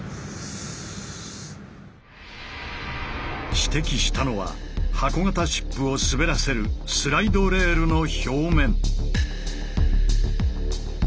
指摘したのは箱型シップを滑らせるスライドレールの表面。